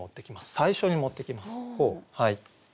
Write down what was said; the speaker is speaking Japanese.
最初に持ってきます。